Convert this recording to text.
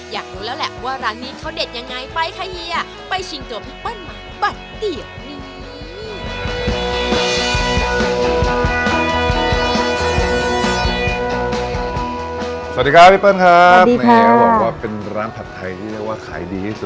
อยากรู้แล้วแหละว่าร้านนี้เขาเด็ดยังไงไปค่ะเฮียไปชิงตัวพี่เปิ้ลมาบัดเดือดหนึ่ง